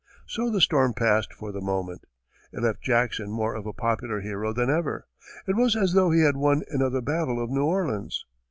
So the storm passed for the moment. It left Jackson more of a popular hero than ever; it was as though he had won another battle of New Orleans.